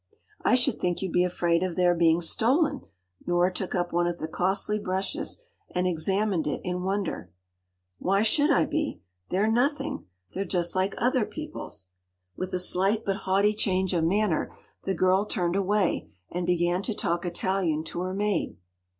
” “I should think you’d be afraid of their being stolen!” Nora took up one of the costly brushes, and examined it in wonder. “Why should I be? They’re nothing. They’re just like other people’s!” With a slight but haughty change of manner, the girl turned away, and began to talk Italian to her maid.